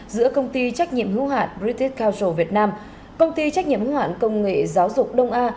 giữa công ty trách nhiệm hữu hạn britys kauture việt nam công ty trách nhiệm hữu hạn công nghệ giáo dục đông a